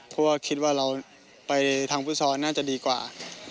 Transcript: เพราะว่าคิดว่าเราไปทางฟุตซอลน่าจะดีกว่า